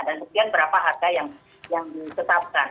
dan kemudian berapa harga yang disetapkan